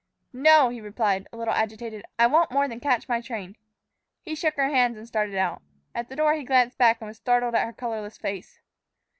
"No," he replied, a little agitated. "I won't more than catch my train." He shook hands and started out. At the door he glanced back, and was startled at her colorless face.